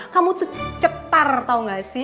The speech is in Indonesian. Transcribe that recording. kamu tuh cetar tau gak sih